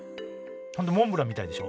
本当モンブランみたいでしょ？